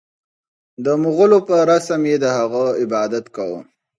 د مغولو په رسم یې د هغه عبادت کاوه.